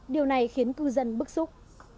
điều này khiến cư dân bức xúc